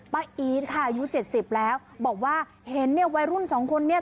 อีทค่ะอายุเจ็ดสิบแล้วบอกว่าเห็นเนี่ยวัยรุ่นสองคนเนี่ย